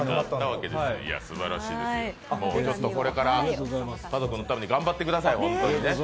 これから家族のために頑張ってください。